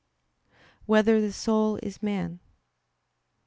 4] Whether the Soul Is Man?